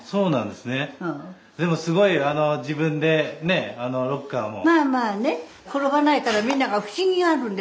でもすごい自分でロッカーも。